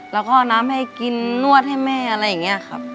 แล้วก็เอาน้ำให้กินนวดให้แม่อะไรอย่างนี้ครับ